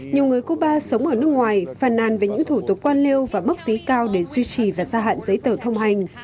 nhiều người cuba sống ở nước ngoài phàn nàn về những thủ tục quan liêu và mức phí cao để duy trì và gia hạn giấy tờ thông hành